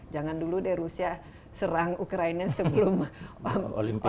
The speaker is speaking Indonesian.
jangan dulu deh rusia serang ukraina sebelum olimpia